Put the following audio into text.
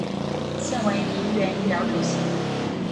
现为铭源医疗主席。